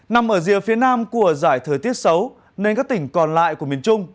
nằm ở rìa phía nam của giải thời tiết xấu nên các tỉnh còn lại của miền trung